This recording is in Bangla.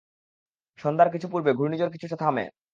সন্ধ্যার কিছু পূর্বে ঘূর্ণিঝড় কিছুটা থামে।